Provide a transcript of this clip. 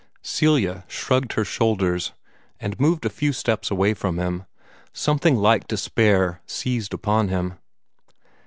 Celia shrugged her shoulders, and moved a few steps away from him. Something like despair seized upon him.